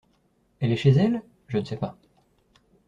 Elle est chez elle ? Je ne sais pas.